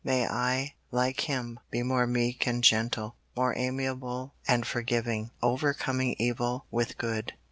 May I, like Him, be more meek and gentle, more amiable and forgiving, overcoming evil with good.